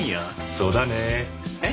そうだねえっ？